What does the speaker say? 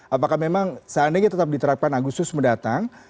apakah memang seandainya tetap diterapkan agustus mendatang